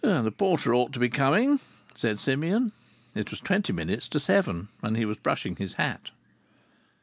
"The porter ought to be coming," said Simeon. It was twenty minutes to seven, and he was brushing his hat.